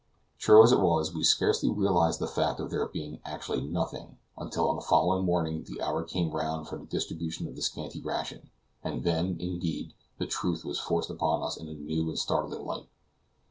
True as it was, we scarcely realized the fact of there being actually nothing until on the following morning the hour came round for the distribution of the scanty ration, and then, indeed, the truth was forced upon us in a new and startling light.